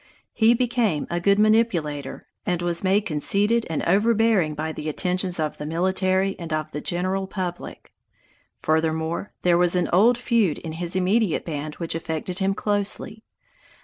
He became a good manipulator, and was made conceited and overbearing by the attentions of the military and of the general public. Furthermore, there was an old feud in his immediate band which affected him closely.